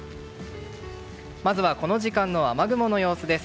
まずはこの時間の雨雲の様子です。